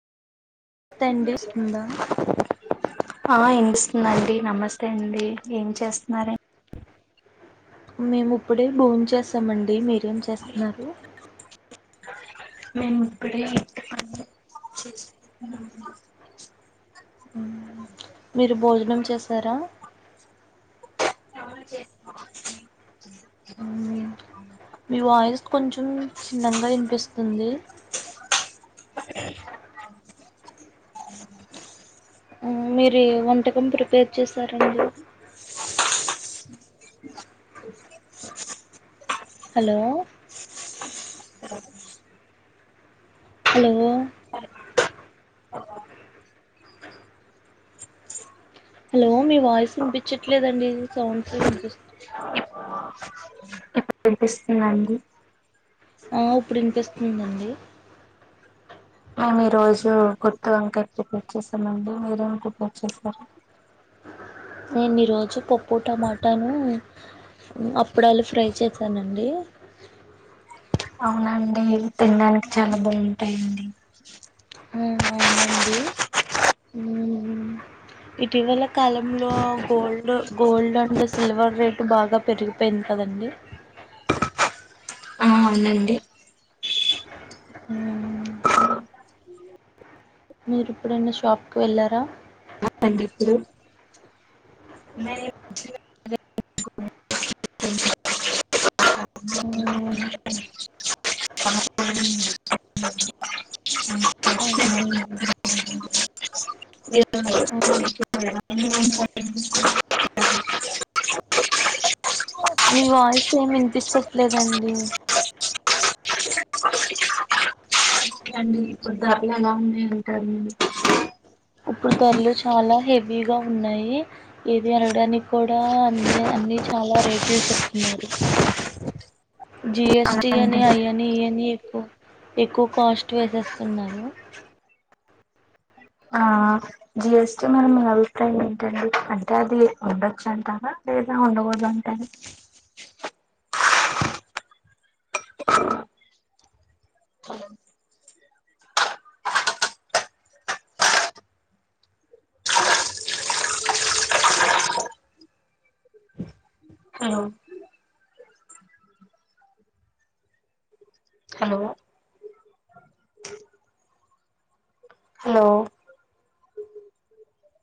తండేస్తుందా ఆ ఇనిపిస్తుందండి నమస్తే అండి ఏం చేస్తున్నారే మేము ఇప్పుడే బోన్ చేసమండి మీరు ఏం చేస్తున్నారు నేను ఇప్పుడే [inaudible] మీరు భోజనం చేశారా ఆ చేసినం మీ వాయిస్ కొంచెం చిన్నంగా ఇనిపిస్తుంది మీరు ఏ వంటకం ప్రిపేర్ చేశారండి హలో అ [inaudible] హలో అ [inaudible] హలో మీ వాయిస్ వినిపించట్లేదండి సౌండ్స్ వినిపిస్తా ఇప్పుడు వినిపిస్తుందా అండి ఆ ఇప్పుడు వినిపిస్తుందండి మీ రోజు గుత్తి వంకాయ ప్రిపేర్ చేసామండి మీరేమి ప్రిపేర్ చేశారు నేను ఈరోజు పప్పు టమాటాను అప్పుడాలు ఫ్రై చేశానండి అవునండి తినడానికి చాలా బాగుంటాయండి [inaudible] ఆ అవునండి ఇటీవల కాలంలో gold gold and silver rate బాగా పెరిగిపొ పెయిన్ కదండి ఆ అవునండి హ మీరు ఎప్పుడన్నా షాప్ కి వెళ్ళారా కందిప్పు [unintelligible] మ [unintelligible] మ్మ్. అవును. మ్మ్. మీ వాయిస్ ఏమి వినిపించట్లేదండి ఓే అండి ఇప్పుడు దరలో ఎలా ఉన్నాయి అంటారుడి ఇప్పుడు ధరలు చాలా హెవీగా ఉన్నాయి ఏది అనడానికి కూడా అన్ని అన్నిీ చాలా రేట్లు చెప్తున్నారు అలా జిఎస్టి అని అండి అయ అని ఇవని ఎక్కువ ఎక్కువ కాస్ట్ వేసేస్తున్నారు ఆ జిఎస్టి మరి మీ అభిప్రాయం ఏంటండి అంటే అది ఉండొచ్చు అంటారా లేదా ఉండకూదు అంటరా అ హలో హలో హలో